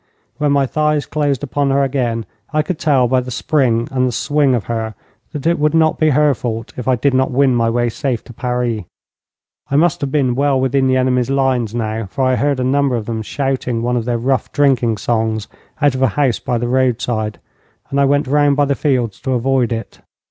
When my thighs closed upon her again, I could tell by the spring and the swing of her that it would not be her fault if I did not win my way safe to Paris. I must have been well within the enemy's lines now, for I heard a number of them shouting one of their rough drinking songs out of a house by the roadside, and I went round by the fields to avoid it.